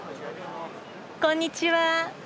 こんにちは。